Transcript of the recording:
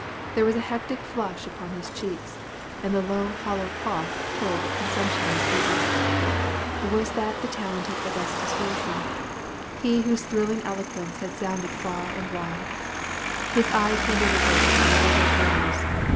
There was a hectic flush upon his cheek, and the low hollow cough told that consumption was busy. Was that the talented Augustus Wilson? he whose thrilling eloquence had sounded far and wide? His eyes were riveted upon a withered rose.